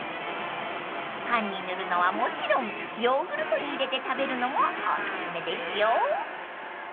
［パンに塗るのはもちろんヨーグルトに入れて食べるのもおすすめですよ］